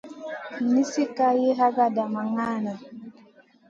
Nizi ka liw hakada ma ŋada.